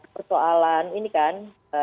persoalan ini kan